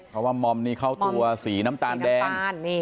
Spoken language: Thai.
เพราะว่ามอมนี่เข้าตัวสีน้ำตาลแดง